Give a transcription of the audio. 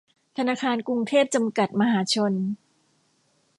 ธนาคารกรุงเทพ จำกัด มหาชน